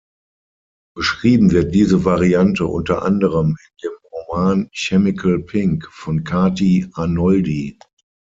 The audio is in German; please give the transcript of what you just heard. Beschrieben wird diese Variante unter anderem in dem Roman "Chemical Pink" von Kati Arnoldi.